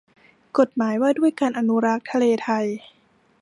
กฎหมายว่าด้วยการอนุรักษ์ทะเลไทย